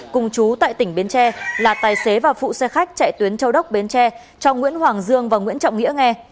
cùng chú tại tỉnh bến tre là tài xế và phụ xe khách chạy tuyến châu đốc bến tre cho nguyễn hoàng dương và nguyễn trọng nghĩa nghe